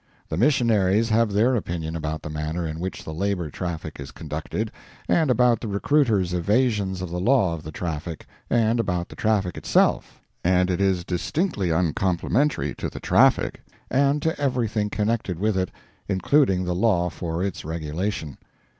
The missionaries have their opinion about the manner in which the Labor Traffic is conducted, and about the recruiter's evasions of the law of the Traffic, and about the traffic itself and it is distinctly uncomplimentary to the Traffic and to everything connected with it, including the law for its regulation.